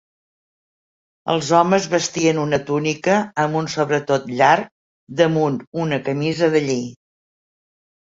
Els homes vestien una túnica, amb un sobretot llarg damunt una camisa de lli.